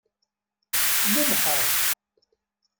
Cmumḥeɣ.